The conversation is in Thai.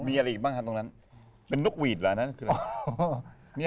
มีอะไรอีกบ้างฮะตรงนั้นเป็นนกหวีดเหรออันนั้นคืออะไร